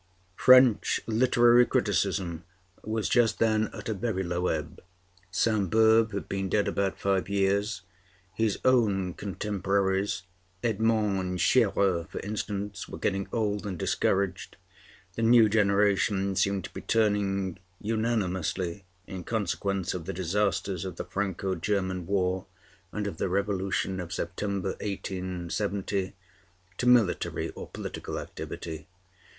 French literary criticism was just then at a very low ebb. Sainte Beuve had been dead about five years; his own contemporaries, Edmond Schérer for instance, were getting old and discouraged; the new generation seemed to be turning unanimously, in consequence of the disasters of the Franco German war and of the Revolution of September, 1870, to military or political activity.